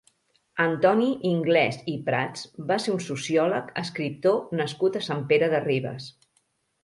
Antoni Inglès i Prats va ser un sociòleg, escriptor nascut a Sant Pere de Ribes.